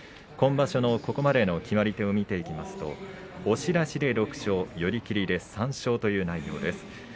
今場所のここまでの決まり手を見ていきますと押し出しで６勝、寄り切りで３勝という内容です。